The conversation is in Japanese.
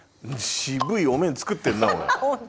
渋いお面作ってんなおい。